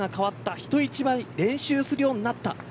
人一倍練習するようになった。